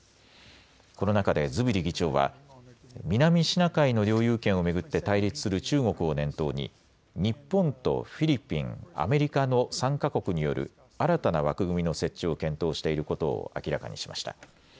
この中でズビリ議長は、南シナ海の領有権を巡って対立する中国を念頭に、日本とフィリピン、アメリカの３か国による新たな枠組みの設置を検討していることを明らかにしました。